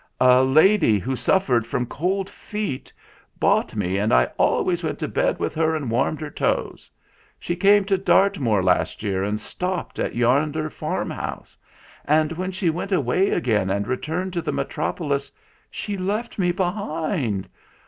A lady, who suffered from cold feet,' "Who are you?" asked Charles THE SAD STRANGER 163 bought me, and I always went to bed with her and warmed her toes. She came to Dartmoor last year and stopped at yonder farmhouse. And when she went away again and returned to the metropolis, she left me behind.